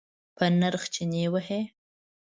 په نرخ چنی وهئ؟